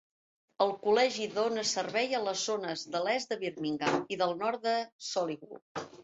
El Col·legi dona servei a les zones de l'est de Birmingham i del nord de Solihull.